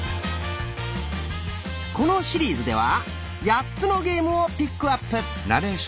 このシリーズでは８つのゲームをピックアップ。